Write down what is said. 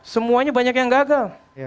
semuanya banyak yang gagal